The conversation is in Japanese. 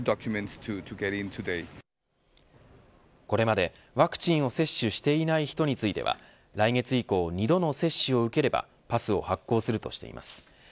これまでワクチンを接種していない人については来月以降２度の接種を受ければパスを発行するとしています。